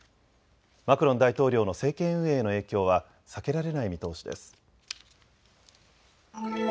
マクロン大統領の政権運営への影響は避けられない見通しです。